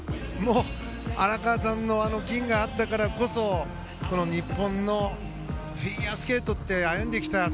荒川さんの金があったからこそ日本のフィギュアスケートが歩んできた。